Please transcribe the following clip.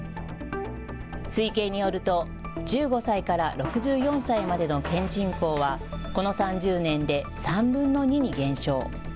推計によると１５歳から６４歳までの県人口はこの３０年で３分の２に減少。